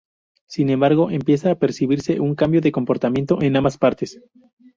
Sin embargo, empieza a percibirse un cambio de comportamiento en ambas partes.